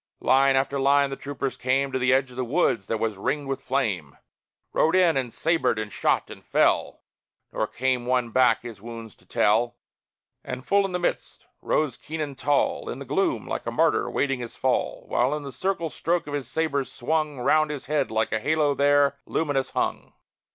Line after line the troopers came To the edge of the wood that was ringed with flame; Rode in, and sabred, and shot, and fell: Nor came one back his wounds to tell. And full in the midst rose Keenan, tall In the gloom, like a martyr awaiting his fall, While the circle stroke of his sabre, swung 'Round his head, like a halo there, luminous hung.